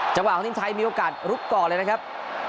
ของทีมไทยมีโอกาสลุกก่อนเลยนะครับ